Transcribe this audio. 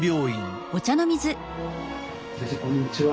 先生こんにちは。